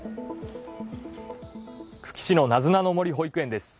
久喜市のなずなの森保育園です。